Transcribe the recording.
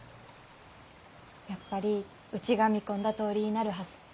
やっぱりうちが見込んだとおりになるはず。